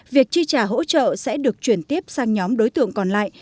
việc chi trả hỗ trợ sẽ được chuyển tiếp sang nhóm đối tượng còn lại